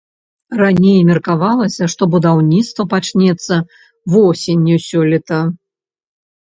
Раней меркавалася, што будаўніцтва пачнецца восенню сёлета.